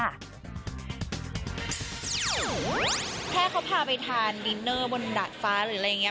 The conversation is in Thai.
แค่เขาพาไปทานดินเนอร์บนดาดฟ้าหรืออะไรอย่างนี้